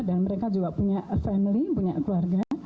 dan mereka juga punya family punya keluarga